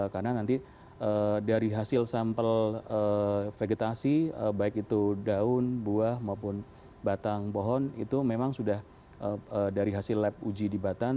karena nanti dari hasil sampel vegetasi baik itu daun buah maupun batang pohon itu memang sudah dari hasil lab uji di batan